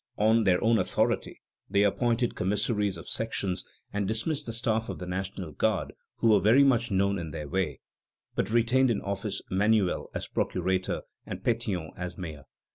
On their own authority they appointed commissaries of sections, and dismissed the staff of the National Guard, who were very much in their way; but retained in office Manuel as procurator and Pétion as mayor.